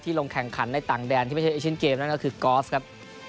ลงแข่งขันในต่างแดนที่ไม่ใช่เอเชนเกมนั่นก็คือกอล์ฟครับ